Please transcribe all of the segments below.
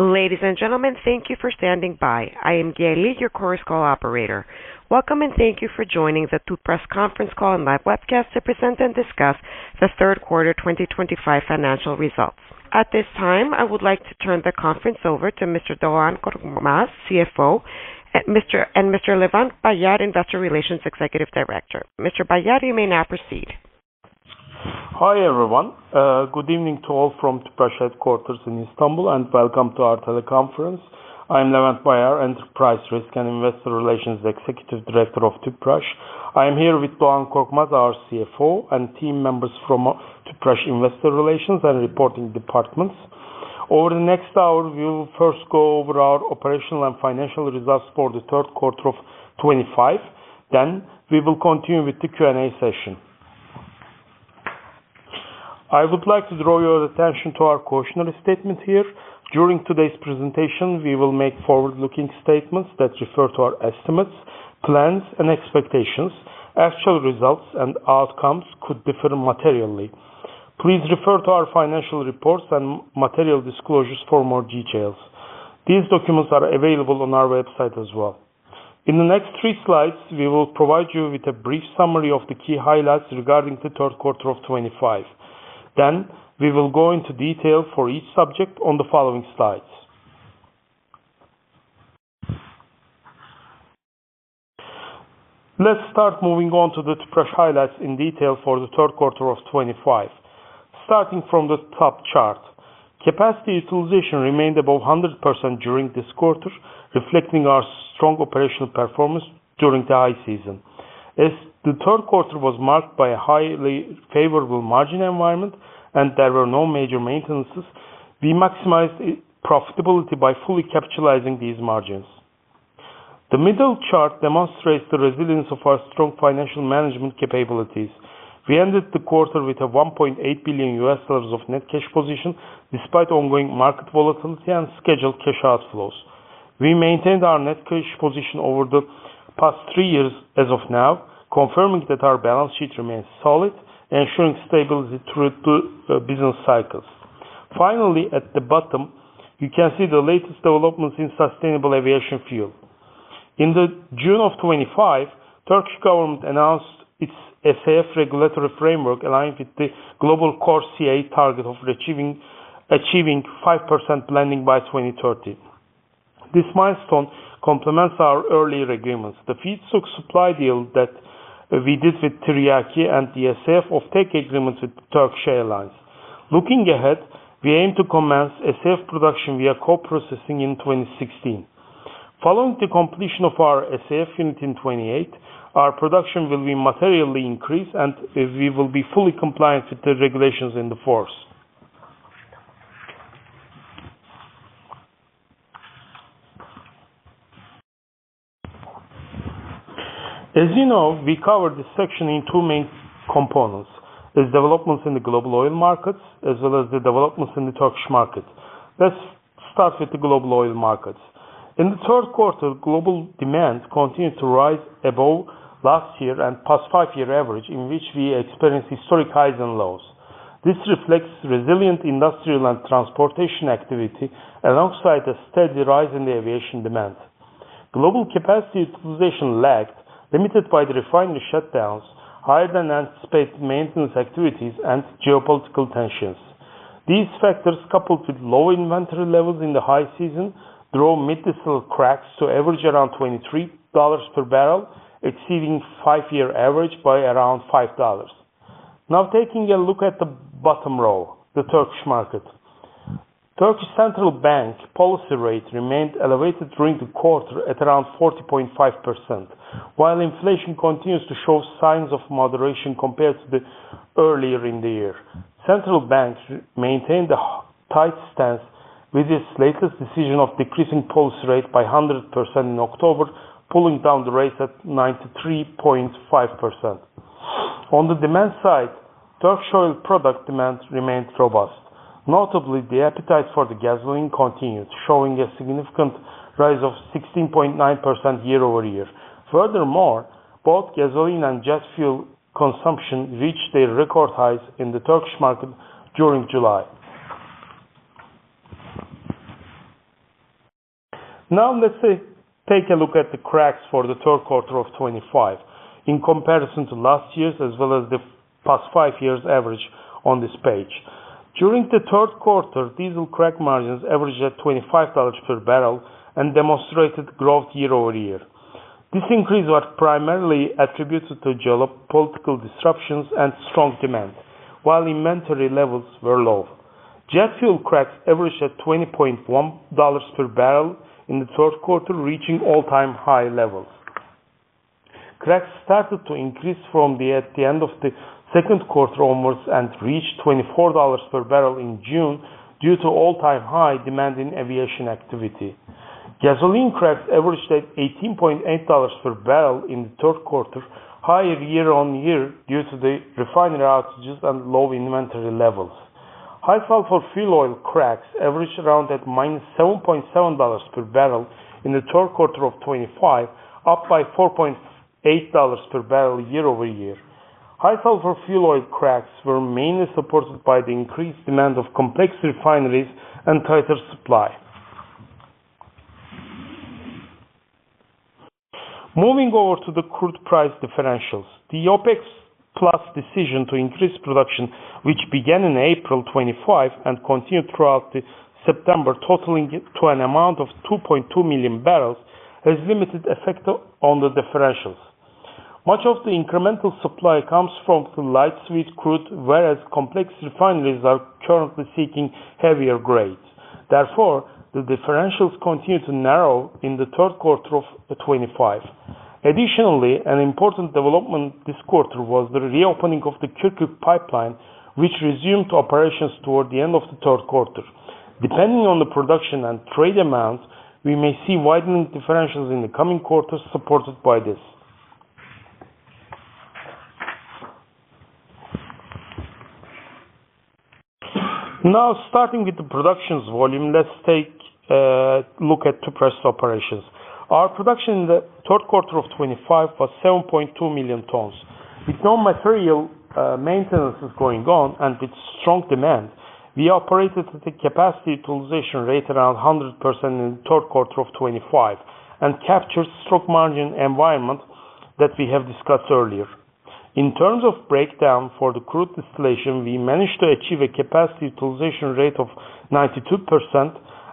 Ladies and gentlemen, thank you for standing by. I am Gaeli, your conference call operator. Welcome and thank you for joining the Tüpraş conference call and live webcast to present and discuss the third quarter 2025 financial results. At this time, I would like to turn the conference over to Mr. Doğan Korkmaz, CFO, and Mr. Levent Bayar, Investor Relations Executive Director. Mr. Bayar, you may now proceed. Hi everyone. Good evening to all from Tüpraş headquarters in Istanbul, and welcome to our teleconference. I'm Levent Bayar, Enterprise Risk and Investor Relations Executive Director of Tüpraş. I am here with Doğan Korkmaz, our CFO, and team members from Tüpraş Investor Relations and Reporting Departments. Over the next hour, we will first go over our operational and financial results for the third quarter of 2025. Then, we will continue with the Q&A session. I would like to draw your attention to our cautionary statement here. During today's presentation, we will make forward-looking statements that refer to our estimates, plans, and expectations. Actual results and outcomes could differ materially. Please refer to our financial reports and material disclosures for more details. These documents are available on our website as well. In the next three slides, we will provide you with a brief summary of the key highlights regarding the third quarter of 2025. Then, we will go into detail for each subject on the following slides. Let's start moving on to the Tüpraş highlights in detail for the third quarter of 2025. Starting from the top chart, capacity utilization remained above 100% during this quarter, reflecting our strong operational performance during the high season. As the third quarter was marked by a highly favorable margin environment and there were no major maintenances, we maximized profitability by fully capitalizing these margins. The middle chart demonstrates the resilience of our strong financial management capabilities. We ended the quarter with a $1.8 billion USD net cash position, despite ongoing market volatility and scheduled cash outflows. We maintained our net cash position over the past three years as of now, confirming that our balance sheet remains solid and showing stability through the business cycles. Finally, at the bottom, you can see the latest developments in sustainable aviation fuel. In June of 2025, the Turkish government announced its SAF regulatory framework, aligned with the global core CA target of achieving 5% blending by 2030. This milestone complements our earlier agreements, the FITSUG supply deal that we did with Tiryaki and the SAF off-take agreements with Turkish Airlines. Looking ahead, we aim to commence SAF production via co-processing in 2026. Following the completion of our SAF unit in 2028, our production will be materially increased, and we will be fully compliant with the regulations in force. As you know, we covered this section in two main components: the developments in the global oil markets, as well as the developments in the Turkish market. Let's start with the global oil markets. In the third quarter, global demand continued to rise above last year's and past five-year average, in which we experienced historic highs and lows. This reflects resilient industrial and transportation activity alongside a steady rise in aviation demand. Global capacity utilization lagged, limited by the refinery shutdowns, higher-than-anticipated maintenance activities, and geopolitical tensions. These factors, coupled with low inventory levels in the high season, drove mid-distilled cracks to average around $23 per barrel, exceeding the five-year average by around $5. Now, taking a look at the bottom row, the Turkish market. The Turkish Central Bank policy rate remained elevated during the quarter at around 40.5%, while inflation continues to show signs of moderation compared to earlier in the year. The Central Bank maintained a tight stance with its latest decision of decreasing policy rate by 100 basis points in October, pulling down the rate at 39.5%. On the demand side, Turkish oil product demand remained robust. Notably, the appetite for gasoline continued, showing a significant rise of 16.9% year-over-year. Furthermore, both gasoline and jet fuel consumption reached their record highs in the Turkish market during July. Now, let's take a look at the cracks for the third quarter of 2025 in comparison to last year's, as well as the past five years' average on this page. During the third quarter, diesel crack margins averaged at $25 per barrel and demonstrated growth year-over-year. This increase was primarily attributed to geopolitical disruptions and strong demand, while inventory levels were low. Jet fuel cracks averaged at $20.1 per barrel in the third quarter, reaching all-time high levels. Cracks started to increase from the end of the second quarter onwards and reached $24 per barrel in June due to all-time high demand in aviation activity. Gasoline cracks averaged at $18.8 per barrel in the third quarter, higher year-on-year due to the refinery outages and low inventory levels. High sulfur fuel oil cracks averaged around -$7.7 per barrel in the third quarter of 2025, up by $4.8 per barrel year-over-year. High sulfur fuel oil cracks were mainly supported by the increased demand of complex refineries and tighter supply. Moving over to the crude price differentials, the OPEC+ decision to increase production, which began in April 2025 and continued throughout September, totaling 2.2 million barrels, has limited effect on the differentials. Much of the incremental supply comes from the light-sweet crude, whereas complex refineries are currently seeking heavier grades. Therefore, the differentials continue to narrow in the third quarter of 2025. Additionally, an important development this quarter was the reopening of the Kirkuk pipeline, which resumed operations toward the end of the third quarter. Depending on the production and trade amounts, we may see widening differentials in the coming quarters, supported by this. Now, starting with the production volume, let's take a look at Tüpraş's operations. Our production in the third quarter of 2025 was 7.2 million tons. With no material maintenances going on and with strong demand, we operated at a capacity utilization rate around 100% in the third quarter of 2025 and captured the stock margin environment that we discussed earlier. In terms of breakdown for the crude distillation, we managed to achieve a capacity utilization rate of 92%,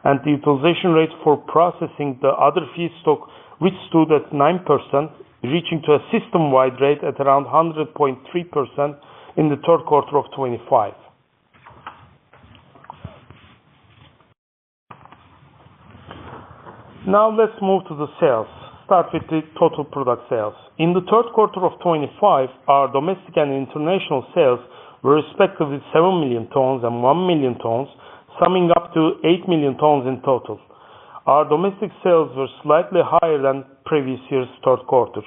and the utilization rate for processing the other feedstock with stood at 9%, reaching a system-wide rate at around 100.3% in the third quarter of 2025. Now, let's move to the sales. Start with the total product sales. In the third quarter of 2025, our domestic and international sales were respectively 7 million tons and 1 million tons, summing up to 8 million tons in total. Our domestic sales were slightly higher than previous year's third quarter.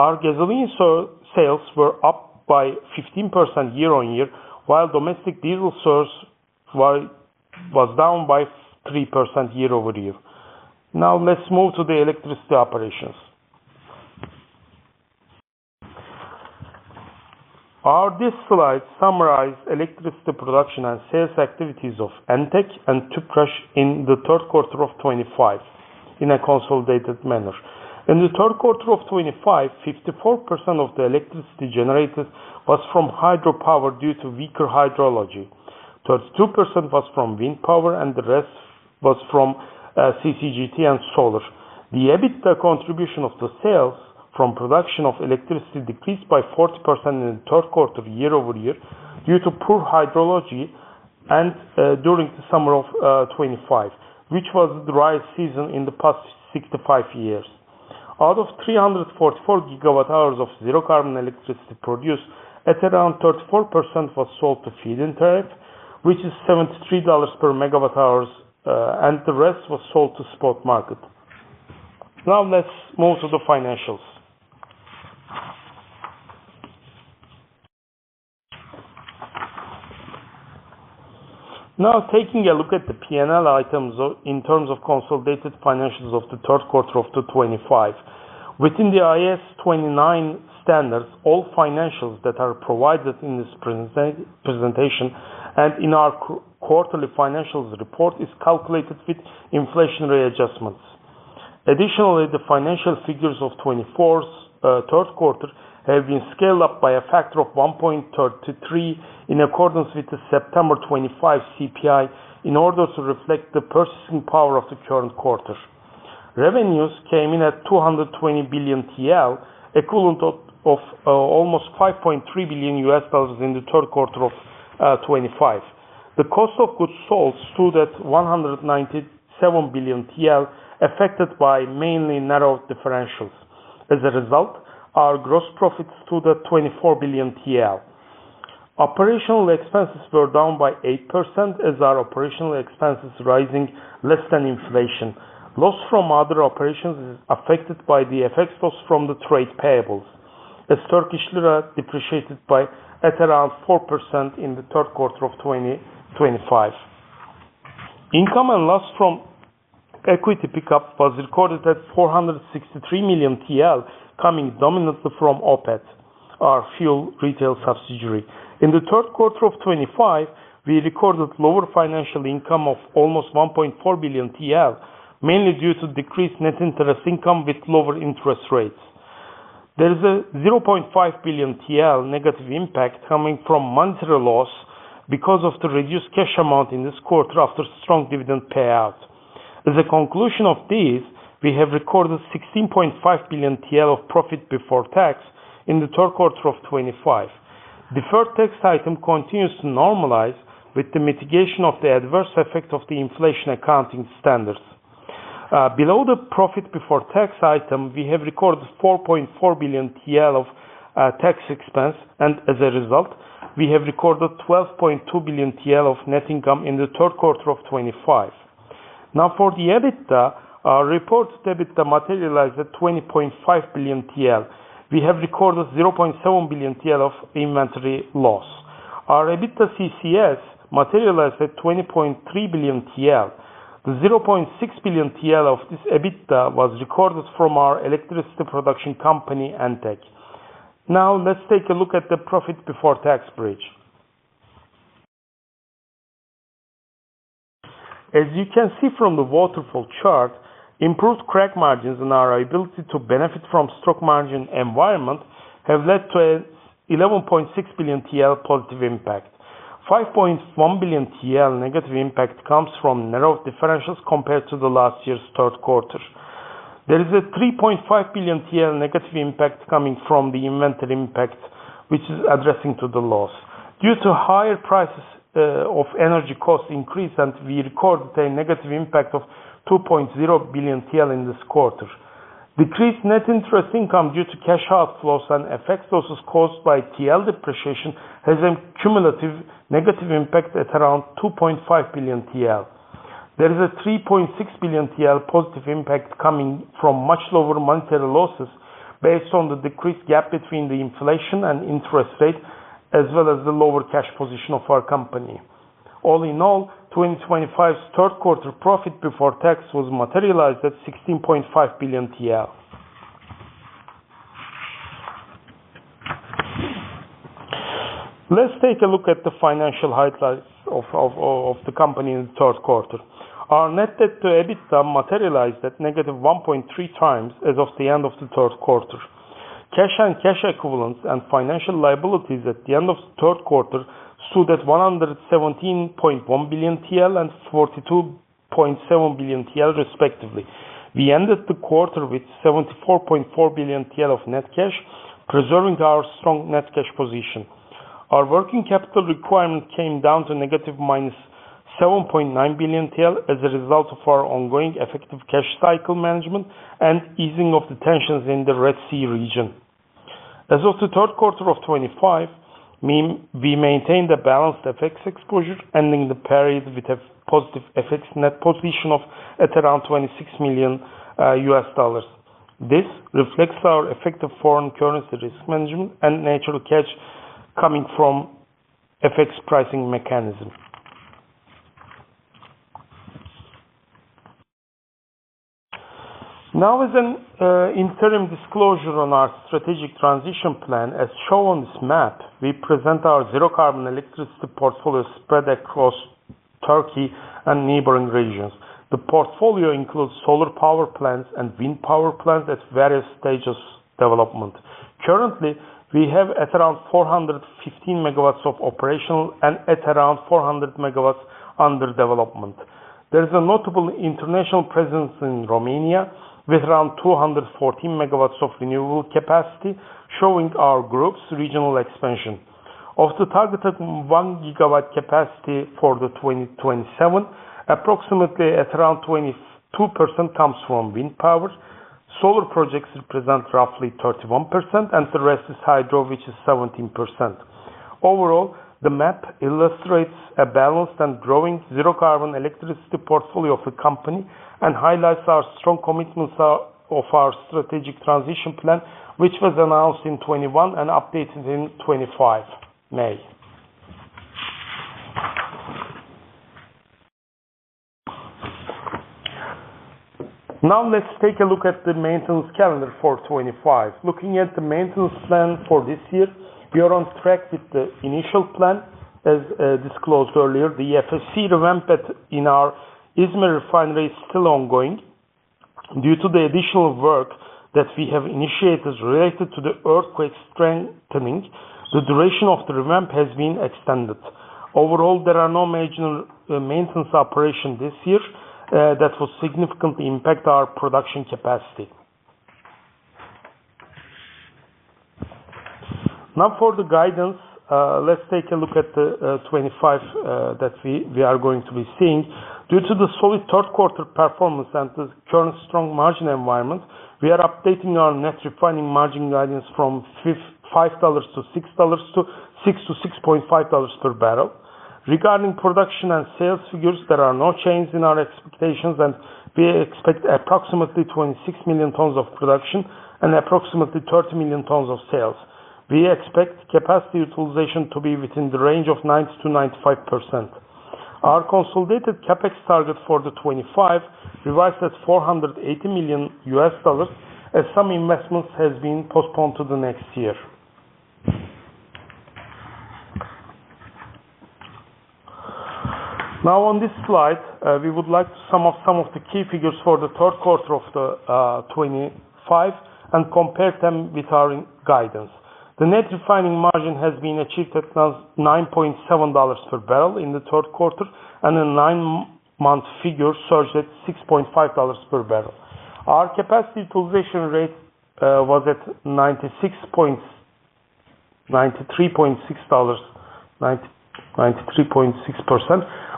Our gasoline sales were up by 15% year-on-year, while domestic diesel sales were down by 3% year-over-year. Now, let's move to the electricity operations. This slide summarizes electricity production and sales activities of ENTEC and Tüpraş in the third quarter of 2025 in a consolidated manner. In the third quarter of 2025, 54% of the electricity generated was from hydropower due to weaker hydrology. 32% was from wind power, and the rest was from CCGT and solar. The EBITDA contribution of the sales from production of electricity decreased by 40% in the third quarter year-over-year due to poor hydrology during the summer of 2025, which was the driest season in the past 65 years. Out of 344 GWh of zero-carbon electricity produced, around 34% was sold to feed-in tariff, which is $73 per MWh, and the rest was sold to spot market. Now, let's move to the financials. Now, taking a look at the P&L items in terms of consolidated financials of the third quarter of 2025, within the IS29 standards, all financials that are provided in this presentation and in our quarterly financials report are calculated with inflationary adjustments. Additionally, the financial figures of 2024's third quarter have been scaled up by a factor of 1.33 in accordance with the September 2025 CPI in order to reflect the purchasing power of the current quarter. Revenues came in at 220 billion TL, equivalent of almost $5.3 billion in the third quarter of 2025. The cost of goods sold stood at 197 billion TL, mainly affected by narrowed differentials. As a result, our gross profit stood at 24 billion TL. Operational expenses were down by 8%, as our operational expenses rose less than inflation. Loss from other operations is affected by the affected by losses from trade payables, as Turkish lira depreciated by at around 4% in the third quarter of 2025. Income and loss from equity pickup was recorded at 463 million TL, coming dominantly from OPET, our fuel retail subsidiary. In the third quarter of 2025, we recorded lower financial income of almost 1.4 billion TL, mainly due to decreased net interest income with lower interest rates. There is a 0.5 billion TL negative impact coming from monetary loss because of the reduced cash amount in this quarter after strong dividend payout. As a conclusion of these, we have recorded 16.5 billion TL of profit before tax in the third quarter of 2025. The third tax item continues to normalize with the mitigation of the adverse effect of the inflation accounting standards. Below the profit before tax item, we have recorded 4.4 billion TL of tax expense, and as a result, we have recorded 12.2 billion TL of net income in the third quarter of 2025. Now, for the EBITDA, our reported EBITDA materialized at 20.5 billion TL. We have recorded 0.7 billion TL of inventory loss. Our EBITDA CCS materialized at 20.3 billion TL. The 0.6 billion TL of this EBITDA was recorded from our electricity production company, ENTEC. Now, let's take a look at the profit before tax bridge. As you can see from the waterfall chart, improved crack margins and our ability to benefit from the stock margin environment have led to a 11.6 billion TL positive impact. 5.1 billion TL negative impact comes from narrowed differentials compared to last year's third quarter. There is a 3.5 billion TL negative impact coming from the inventory impact, which is addressing the loss. Due to higher energy costs, we recorded a negative impact of 2.0 billion TL in this quarter. Decreased net interest income due to cash outflows and effect of losses caused by TRY depreciation has a cumulative negative impact at around 2.5 billion TL. There is a 3.6 billion TL positive impact coming from much lower monetary losses based on the decreased gap between the inflation and interest rate, as well as the lower cash position of our company. All in all, 2025's third quarter profit before tax was materialized at TRY 16.5 billion. Let's take a look at the financial highlights of the company in the third quarter. Our net debt to EBITDA materialized at negative 1.3 times as of the end of the third quarter. Cash and cash equivalents and financial liabilities at the end of the third quarter stood at 117.1 billion TL and 42.7 billion TL, respectively. We ended the quarter with 74.4 billion TL of net cash, preserving our strong net cash position. Our working capital requirement came down to negative 7.9 billion TL as a result of our ongoing effective cash cycle management and easing of the tensions in the Red Sea region. As of the third quarter of 2025, we maintained a balanced FX exposure, ending the period with a positive FX net position of around $26 million. This reflects our effective foreign currency risk management and natural cash from FX pricing mechanisms. Now, as an interim disclosure on our strategic transition plan, as shown on this map, we present our zero-carbon electricity portfolio spread across Turkey and neighboring regions. The portfolio includes solar power plants and wind power plants at various stages of development. Currently, we have at around 415 megawatts of operational and at around 400 megawatts under development. There is a notable international presence in Romania with around 214 megawatts of renewable capacity, showing our group's regional expansion. Of the targeted 1 gigawatt capacity for 2027, approximately 22% comes from wind power. Solar projects represent roughly 31%, and the rest is hydro, which is 17%. Overall, the map illustrates a balanced and growing zero-carbon electricity portfolio of the company and highlights our strong commitment to our strategic transition plan, which was announced in 2021 and updated in May 2025. Now, let's take a look at the maintenance calendar for 2025. Looking at the maintenance plan for this year, we are on track with the initial plan, as disclosed earlier. The FSC revamp in our Izmir refinery is still ongoing. Due to the additional work that we have initiated related to the earthquake strengthening, the duration of the revamp has been extended. Overall, there are no major maintenance operations this year that will significantly impact our production capacity. Now, for the guidance, let's take a look at the 2025 that we are going to be seeing. Due to the solid third quarter performance and the current strong margin environment, we are updating our net refining margin guidance from $5-$6 to $6.5 per barrel. Regarding production and sales figures, there are no changes in our expectations, and we expect approximately 26 million tons of production and approximately 30 million tons of sales. We expect capacity utilization to be within the range of 90-95%. Our consolidated CAPEX target for 2025 revised at $480 million, as some investments have been postponed to the next year. Now, on this slide, we would like to sum up some of the key figures for the third quarter of 2025 and compare them with our guidance. The net refining margin has been achieved at $9.7 per barrel in the third quarter, and the nine-month figure surged at $6.5 per barrel. Our capacity utilization rate was at 93.6%,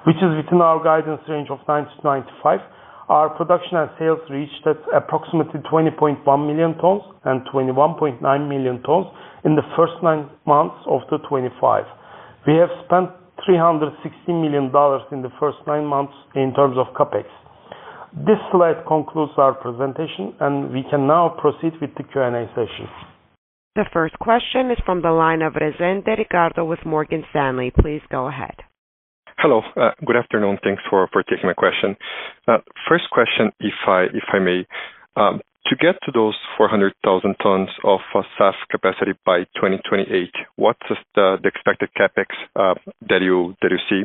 which is within our guidance range of 90-95%. Our production and sales reached at approximately 20.1 million tons and 21.9 million tons in the first nine months of 2025. We have spent $316 million in the first nine months in terms of CAPEX. This slide concludes our presentation, and we can now proceed with the Q&A session. The first question is from the line of Resende Ricardo with Morgan Stanley. Please go ahead. Hello. Good afternoon. Thanks for taking my question. First question, if I may, to get to those 400,000 tons of SAF capacity by 2028, what's the expected CAPEX that you see?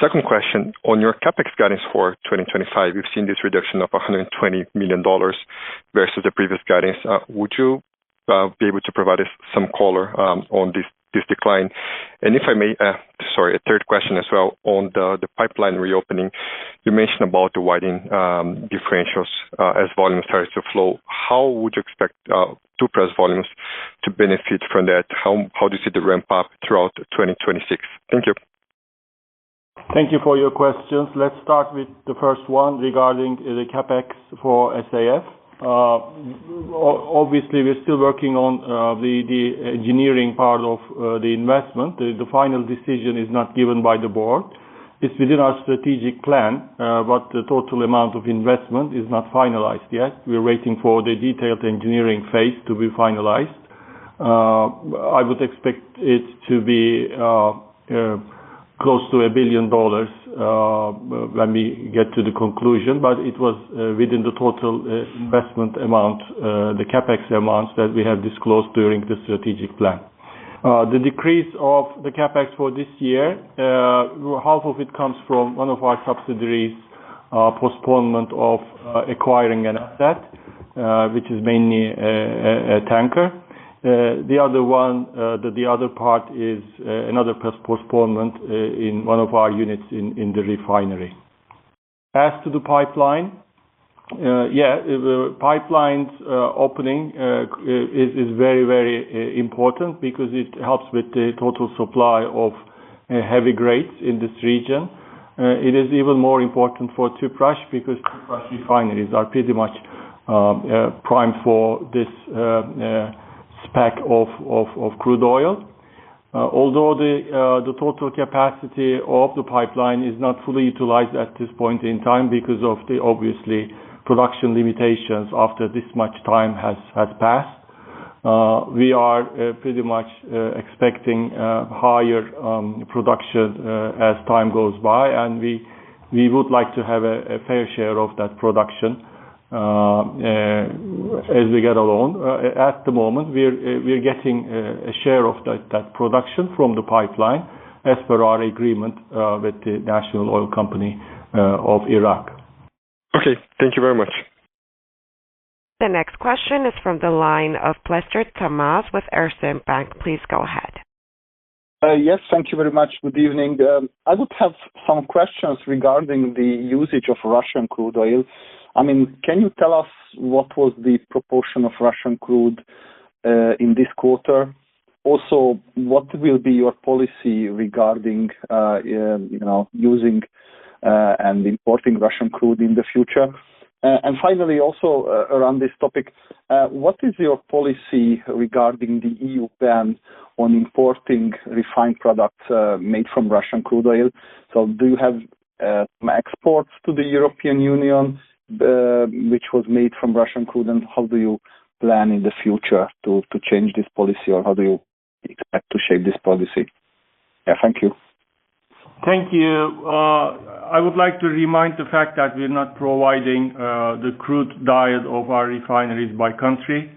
Second question, on your CAPEX guidance for 2025, we've seen this reduction of $120 million versus the previous guidance. Would you be able to provide us some color on this decline? If I may, sorry, a third question as well on the pipeline reopening. You mentioned about the widening differentials as volumes started to flow. How would you expect Tüpraş volumes to benefit from that? How do you see the ramp-up throughout 2026? Thank you. Thank you for your questions. Let's start with the first one regarding the CAPEX for SAF. Obviously, we're still working on the engineering part of the investment. The final decision is not given by the board. It's within our strategic plan, but the total amount of investment is not finalized yet. We're waiting for the detailed engineering phase to be finalized. I would expect it to be close to $1 billion when we get to the conclusion, but it was within the total investment amount, the CAPEX amounts that we have disclosed during the strategic plan. The decrease of the CAPEX for this year, half of it comes from one of our subsidiaries' postponement of acquiring an asset, which is mainly a tanker. The other part is another postponement in one of our units in the refinery. As to the pipeline, yeah, pipeline opening is very, very important because it helps with the total supply of heavy grades in this region. It is even more important for Tüpraş because Tüpraş refineries are pretty much primed for this spec of crude oil. Although the total capacity of the pipeline is not fully utilized at this point in time because of the, obviously, production limitations after this much time has passed, we are pretty much expecting higher production as time goes by, and we would like to have a fair share of that production as we get along. At the moment, we're getting a share of that production from the pipeline as per our agreement with the National Oil Company of Iraq. Okay. Thank you very much. The next question is from the line of Plester Tomas with Erste Bank. Please go ahead. Yes. Thank you very much. Good evening. I would have some questions regarding the usage of Russian crude oil. I mean, can you tell us what was the proportion of Russian crude in this quarter? Also, what will be your policy regarding using and importing Russian crude in the future? Finally, also around this topic, what is your policy regarding the EU ban on importing refined products made from Russian crude oil? Do you have exports to the European Union, which was made from Russian crude, and how do you plan in the future to change this policy, or how do you expect to shape this policy? Yeah. Thank you. Thank you. I would like to remind the fact that we're not providing the crude diet of our refineries by country,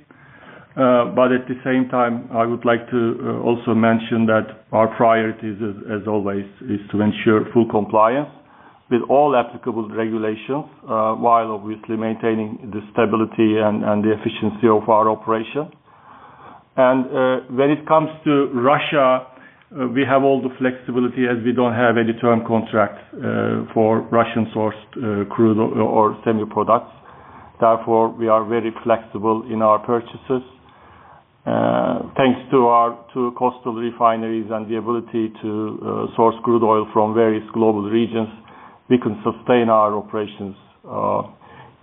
but at the same time, I would like to also mention that our priority, as always, is to ensure full compliance with all applicable regulations while, obviously, maintaining the stability and the efficiency of our operation. When it comes to Russia, we have all the flexibility as we do not have any term contract for Russian-sourced crude or semi-products. Therefore, we are very flexible in our purchases. Thanks to our two coastal refineries and the ability to source crude oil from various global regions, we can sustain our operations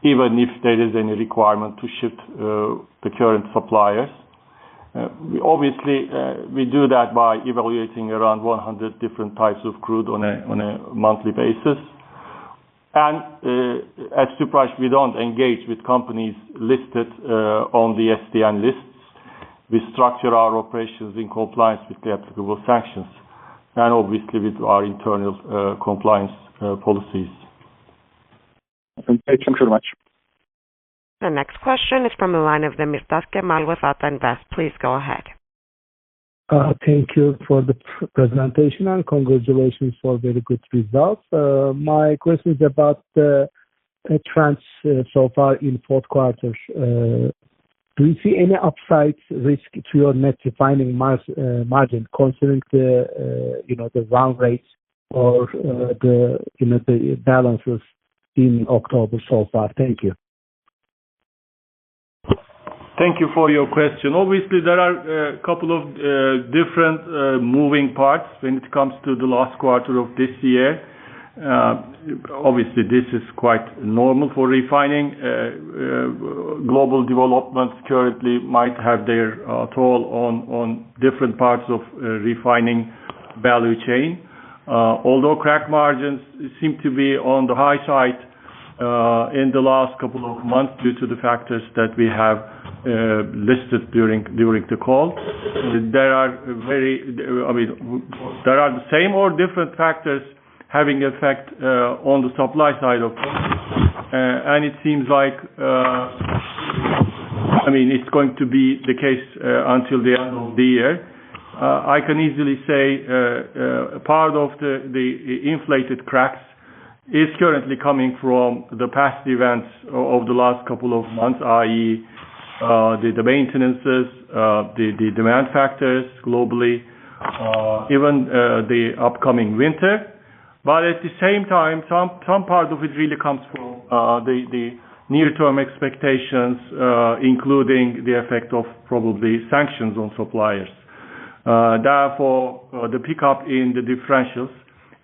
even if there is any requirement to shift the current suppliers. We do that by evaluating around 100 different types of crude on a monthly basis. As Tüpraş, we do not engage with companies listed on the SDN lists. We structure our operations in compliance with the applicable sanctions and, obviously, with our internal compliance policies. Thank you very much. The next question is from the line of Demirtaş Kemal with ATA Invest. Please go ahead. Thank you for the presentation and congratulations for very good results. My question is about the trends so far in fourth quarter. Do you see any upside risk to your net refining margin considering the round rates or the balances in October so far? Thank you. Thank you for your question. Obviously, there are a couple of different moving parts when it comes to the last quarter of this year. Obviously, this is quite normal for refining. Global developments currently might have their toll on different parts of refining value chain. Although crack margins seem to be on the high side in the last couple of months due to the factors that we have listed during the call, there are very—I mean, there are the same or different factors having effect on the supply side of things. It seems like, I mean, it's going to be the case until the end of the year. I can easily say part of the inflated cracks is currently coming from the past events of the last couple of months, i.e., the maintenances, the demand factors globally, even the upcoming winter. At the same time, some part of it really comes from the near-term expectations, including the effect of probably sanctions on suppliers. Therefore, the pickup in the differentials,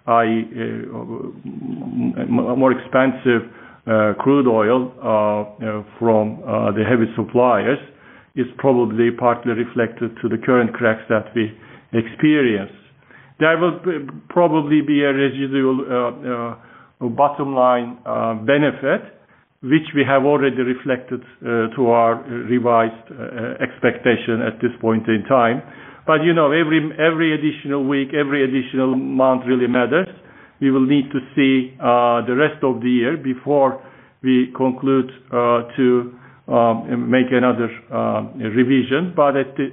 i.e., more expensive crude oil from the heavy suppliers, is probably partly reflected to the current cracks that we experience. There will probably be a residual bottom line benefit, which we have already reflected to our revised expectation at this point in time. Every additional week, every additional month really matters. We will need to see the rest of the year before we conclude to make another revision.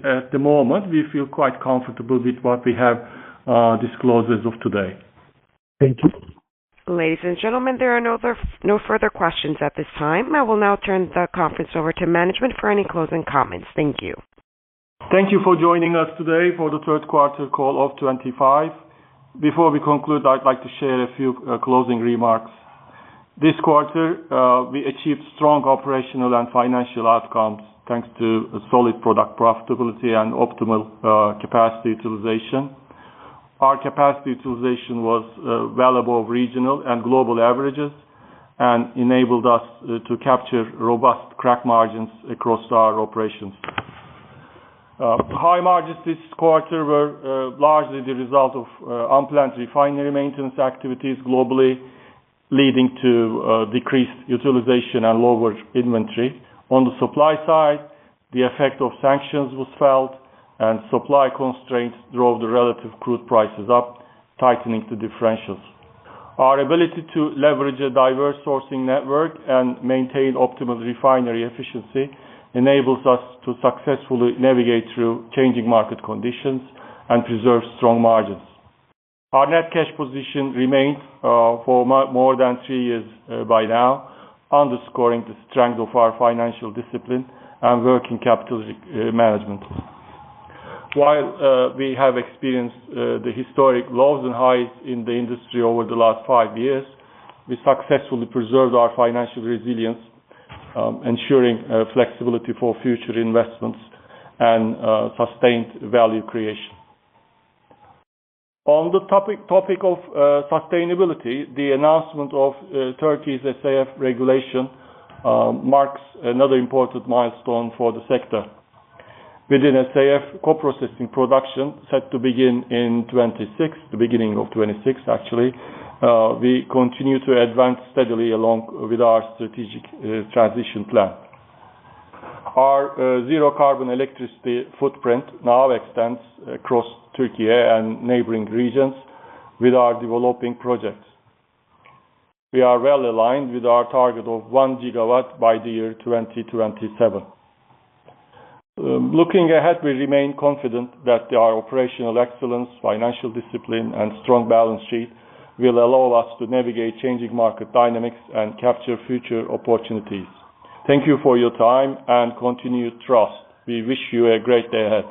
At the moment, we feel quite comfortable with what we have disclosed as of today. Thank you. Ladies and gentlemen, there are no further questions at this time. I will now turn the conference over to management for any closing comments. Thank you. Thank you for joining us today for the third quarter call of 2025. Before we conclude, I'd like to share a few closing remarks. This quarter, we achieved strong operational and financial outcomes thanks to solid product profitability and optimal capacity utilization. Our capacity utilization was valuable of regional and global averages and enabled us to capture robust crack margins across our operations. High margins this quarter were largely the result of unplanned refinery maintenance activities globally, leading to decreased utilization and lower inventory. On the supply side, the effect of sanctions was felt, and supply constraints drove the relative crude prices up, tightening the differentials. Our ability to leverage a diverse sourcing network and maintain optimal refinery efficiency enables us to successfully navigate through changing market conditions and preserve strong margins. Our net cash position remained for more than three years by now, underscoring the strength of our financial discipline and working capital management. While we have experienced the historic lows and highs in the industry over the last five years, we successfully preserved our financial resilience, ensuring flexibility for future investments and sustained value creation. On the topic of sustainability, the announcement of Turkey's SAF regulation marks another important milestone for the sector. Within SAF, co-processing production set to begin in 2026, the beginning of 2026, actually, we continue to advance steadily along with our strategic transition plan. Our zero-carbon electricity footprint now extends across Türkiye and neighboring regions with our developing projects. We are well aligned with our target of 1 gigawatt by the year 2027. Looking ahead, we remain confident that our operational excellence, financial discipline, and strong balance sheet will allow us to navigate changing market dynamics and capture future opportunities. Thank you for your time and continued trust. We wish you a great day ahead.